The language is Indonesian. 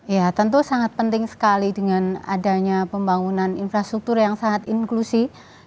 ya tentu sangat penting sekali dengan adanya pembangunan infrastruktur yang sangat inklusi